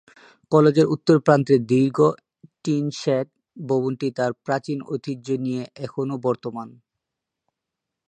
কলেজের উত্তর প্রান্তে দীর্ঘ টিনশেড ভবনটি তার প্রাচীন ঐতিহ্য নিয়ে এখনও বর্তমান।